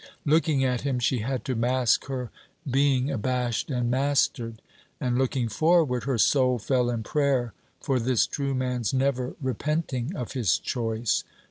Looking at him, she had to mask her being abashed and mastered. And looking forward, her soul fell in prayer for this true man's never repenting of his choice.